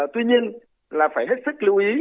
tuy nhiên là phải hết sức lưu ý